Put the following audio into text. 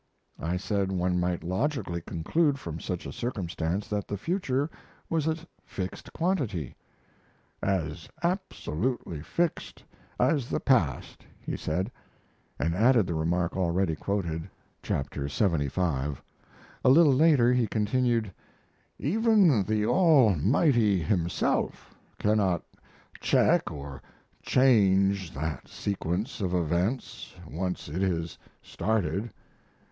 I said one might logically conclude from such a circumstance that the future was a fixed quantity. "As absolutely fixed as the past," he said; and added the remark already quoted. [Chap. lxxv] A little later he continued: "Even the Almighty Himself cannot check or change that sequence of events once it is started.